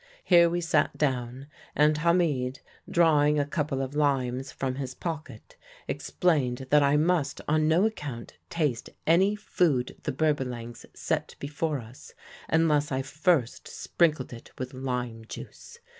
Here we sat down, and Hamid, drawing a couple of limes from his pocket, explained that I must on no account taste any food the Berbalangs set before us unless I first sprinkled it with lime juice.